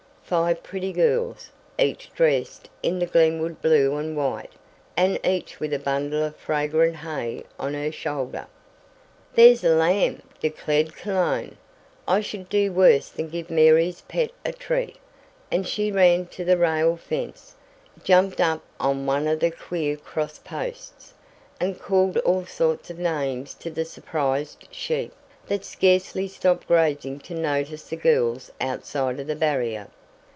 Five pretty girls, each dressed in the Glenwood blue and white, and each with a bundle of fragrant hay on her shoulder. "There's a lamb!" declared Cologne. "I could do worse than give Mary's pet a treat," and she ran to the rail fence, jumped up on one of the queer crossed posts, and called all sorts of names to the surprised sheep, that scarcely stopped grazing to notice the girls outside of the barrier.